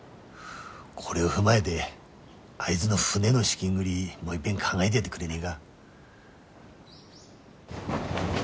これを踏まえであいづの船の資金繰りもういっぺん考えでやってくれねえが？